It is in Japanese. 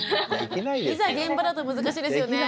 いざ現場だと難しいですよね。